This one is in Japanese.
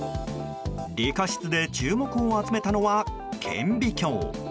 理科室で注目を集めたのは顕微鏡。